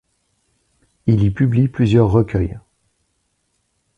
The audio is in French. Il y publie plusieurs recueils.